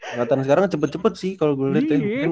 angkatan sekarang cepet cepet sih kalo gua liatin